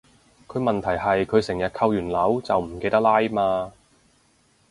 但問題係佢成日扣完鈕就唔記得拉嘛